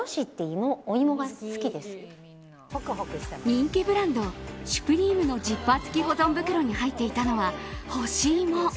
人気ブランドＳｕｐｒｅｍｅのジッパー付き保存袋に入っていたのは干し芋。